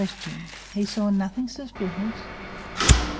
He saw nothing suspicious?